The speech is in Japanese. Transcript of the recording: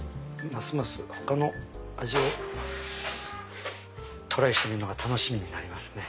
ますます他の味をトライしてみるのが楽しみになりますね。